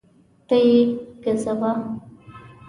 ته یې ګزوه